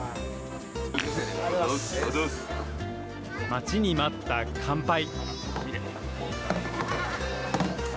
待ちに待った乾杯。